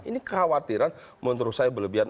ini kekhawatiran menurut saya berlebihan